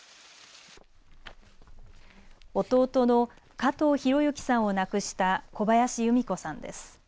弟の加藤博幸さんを亡くした小林由美子さんです。